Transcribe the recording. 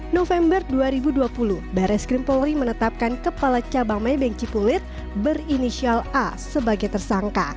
november dua ribu dua puluh barres krimpolri menetapkan kepala cabang maybank cipulir berinisialis